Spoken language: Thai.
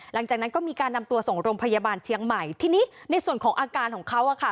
หลังจากนั้นก็มีการนำตัวส่งโรงพยาบาลเชียงใหม่ทีนี้ในส่วนของอาการของเขาอ่ะค่ะ